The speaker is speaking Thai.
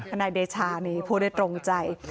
นายเดชานี่พูดได้ตรงใจ